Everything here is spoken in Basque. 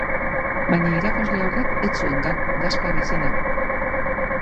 Baina irakasle horrek ez zuen Gaspar izena.